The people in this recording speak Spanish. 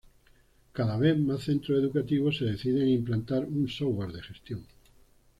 Cada vez más centros educativos se deciden a implantar un software de gestión.